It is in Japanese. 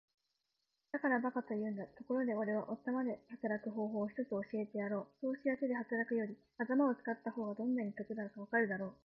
「だから馬鹿と言うんだ。ところがおれは頭で働く方法を一つ教えてやろう。そうすりゃ手で働くより頭を使った方がどんなに得だかわかるだろう。」